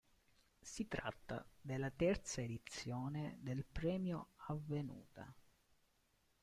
Si tratta della terza edizione del premio avvenuta.